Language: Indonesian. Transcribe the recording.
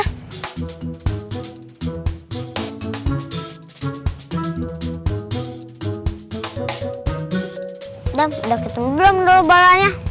adam udah ketemu belum dulu balanya